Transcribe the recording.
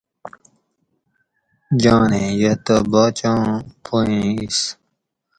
جانیں یہ تہ باچاں پو ایں اِیس